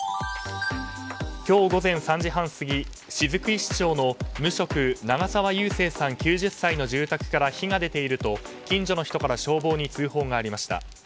今日午前３時半過ぎ雫石町の無職長澤勇正さん、９０歳の住宅から火が出ていると近所の人から消防に通報がありました。